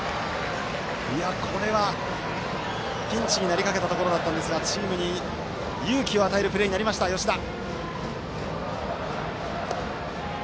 これは、ピンチになりかけたところだったんですがチームに勇気を与えるプレーになりました、吉田。